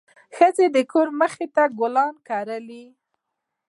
ښځې د کور مخ ته ګلونه کري.